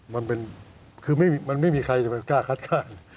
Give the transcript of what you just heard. มันเป็นคือมันไม่มีใครจะไปกล้าคัดค้าน